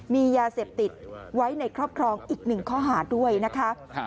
มียาเสพติดไว้ในครอบครองอีกหนึ่งข้อหาด้วยนะคะ